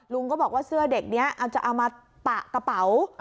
ลุงก็บอกว่าเสื้อเด็กนี้จะเอามาปะกระเป๋า